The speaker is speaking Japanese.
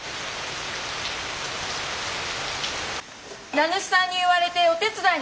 名主さんに言われてお手伝いに参りました。